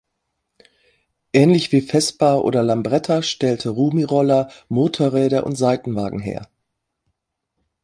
Ähnlich wie Vespa oder Lambretta stellte Rumi Roller, Motorräder und Seitenwagen her.